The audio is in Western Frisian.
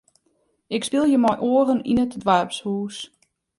Ik spylje mei oaren yn it doarpshûs.